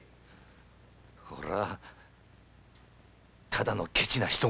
俺はただのケチな人殺しだ。